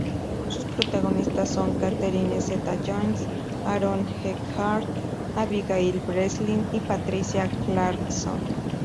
Sus protagonistas son Catherine Zeta-Jones, Aaron Eckhart, Abigail Breslin y Patricia Clarkson.